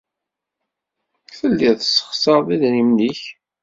Telliḍ tessexṣareḍ idrimen-nnek.